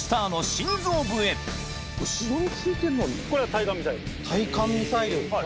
まずは対艦ミサイル。